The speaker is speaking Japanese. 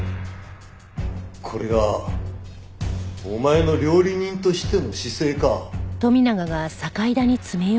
これがお前の料理人としての姿勢か。